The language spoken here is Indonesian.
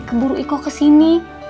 cukup buru ikut kesini